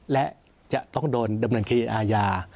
และจะต้องโดนดำเนินคดีอาญา